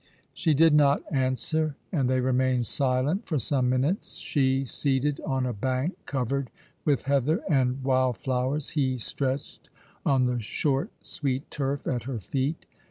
She did not answer, and they remained silent for some minutes, she seated on a bank covered with heather and wild flowers ; he stretched on the short, sweet turf at her feet.